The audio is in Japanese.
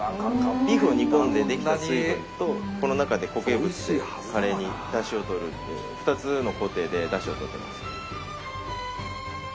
ビーフを煮込んでできた水分とこの中で固形物でカレーにだしをとるっていう２つの工程でだしをとってます。